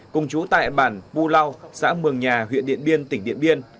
cùng chú tại bản pu lao xã mường nhà huyện điện biên tỉnh điện biên